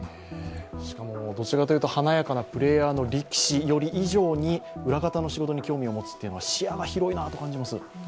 しかもどちらかというと華やかなプレーヤーの力士以上に裏方の仕事に興味を持つというのは視野が広いなと感じます。